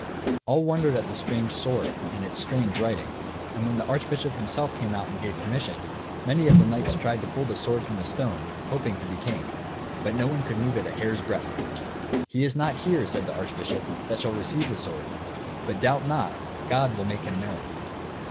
All wondered at the strange sword and its strange writing; and when the archbishop himself came out and gave permission, many of the knights tried to pull the sword from the stone, hoping to be king. But no one could move it a hair's breadth. "He is not here," said the archbishop, "that shall achieve the sword; but doubt not, God will make him known."